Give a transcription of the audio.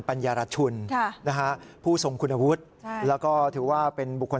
ปัญญารัชชุนค่ะนะคะผู้ทรงคุณวุฒิใช่แล้วก็ถือว่าเป็นบุคคล